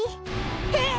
えっ！？